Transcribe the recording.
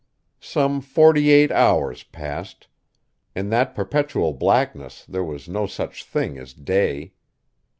Some forty eight hours passed; in that perpetual blackness there was no such thing as day.